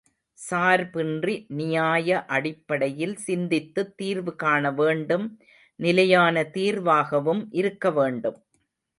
சார்பின்றி நியாய அடிப்படையில் சிந்தித்துத் தீர்வு காணவேண்டும் நிலையான தீர்வாகவும் இருக்க வேண்டும்.